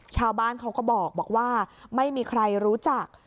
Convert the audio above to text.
ชาวบ้านเขาก็บอกว่าไม่มีใครรู้จัก